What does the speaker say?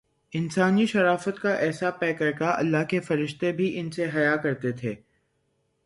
انسانی شرافت کاایسا پیکرکہ اللہ کے فرشتے بھی ان سے حیا کرتے تھے۔